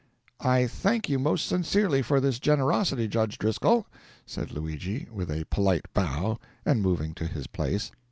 "I thank you most sincerely for this generosity, Judge Driscoll," said Luigi, with a polite bow, and moving to his place.